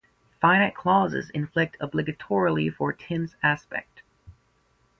Finite clauses inflect obligatorily for Tense-Aspect.